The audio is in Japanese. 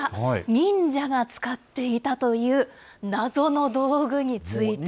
忍者が使っていたという、謎の道具についてです。